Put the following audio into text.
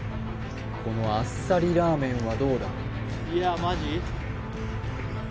このあっさりラーメンはどうだ？